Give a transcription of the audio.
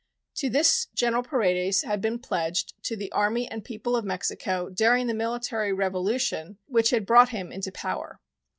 To this General Paredes had been pledged to the army and people of Mexico during the military revolution which had brought him into power.